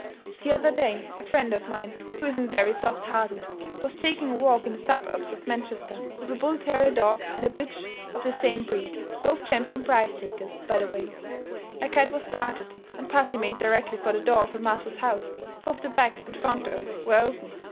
The other day, a friend of mine, who isn't very soft hearted, was taking a walk in the suburbs of Manchester, with a bull terrier dog and a bitch of the same breed both champion prize takers, by the way. A cat was started, and pussy made directly for the door of her master's house. Both the back and front doors were open.